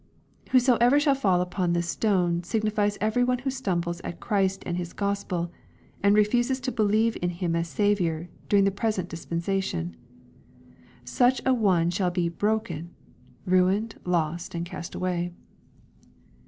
"Whosoever shall fall upon this stone," signifies every one who stumbles at Christ and His Q ospel, and refuses to believe in Him as his Saviour, during the present dispensation. Such an one shall be " broken," ruined, lost, and cast away.